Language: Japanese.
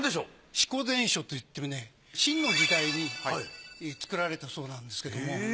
『四庫全書』といって清の時代に作られたそうなんですけども。